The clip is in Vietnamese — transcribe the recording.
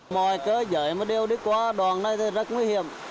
mọi cơ giới mà đều đi qua đoạn này thì rất nguy hiểm